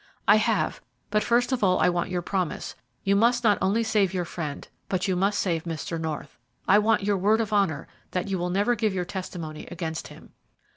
"I have, but first of all I want your promise. You must not only save your friend, but you must save Mr. North. I want your word of honour that you will never give your testimony against him."